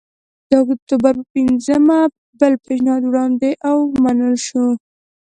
د اکتوبر په پنځمه بل پېشنهاد وړاندې او ومنل شو